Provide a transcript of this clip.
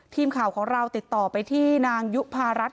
ทีมข่าวของเราติดต่อไปที่นางยุภารัฐ